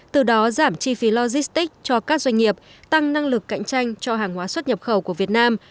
từ đó giảm chi phí logistics cho các doanh nghiệp tăng năng lực cạnh tranh cho hàng hóa xuất nhập khẩu của việt nam